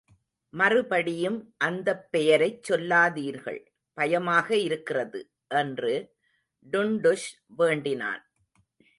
மறுபடியும் அந்தப் பெயரைச் சொல்லாதீர்கள், பயமாக இருக்கிறது! என்று டுன்டுஷ் வேண்டினான்.